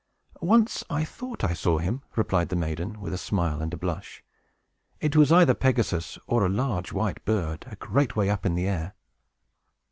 "Once I thought I saw him," replied the maiden, with a smile and a blush. "It was either Pegasus, or a large white bird, a very great way up in the air.